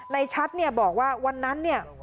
ชัดเนี่ยบอกว่าวันนั้นเนี่ย